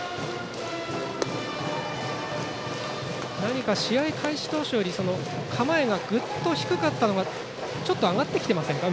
何か試合開始当初より構えがぐっと低かったのがちょっと上がってきていませんか